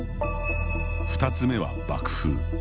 ２つめは爆風